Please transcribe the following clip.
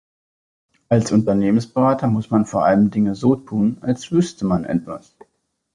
Als Unternehmensberater muss man vor allen Dingen so tun, als wüsste man etwas.